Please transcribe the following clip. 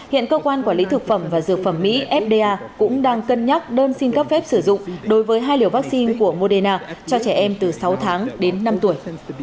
hiện cơ quan quản lý thực phẩm và dược phẩm mỹ fda cũng đang cân nhắc đơn xin cấp phép sử dụng đối với hai liều vaccine của moderna cho trẻ em từ sáu tháng đến năm tuổi